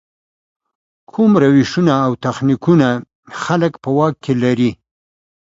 کوم روشونه او تخنیکونه خلک په واک کې لري.